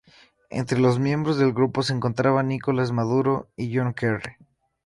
Entre los miembros del grupo se encontraba Nicolás Maduro y John Kerry.